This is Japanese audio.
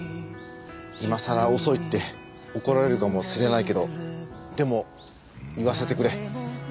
今さら遅いって怒られるかもしれないけどでも言わせてくれ。